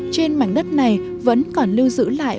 trên mảng đất này vẫn còn lưu giữ lại